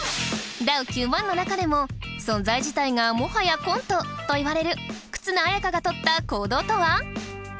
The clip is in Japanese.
ダウ９００００の中でも「存在自体がもはやコント」と言われる忽那文香がとった行動とは？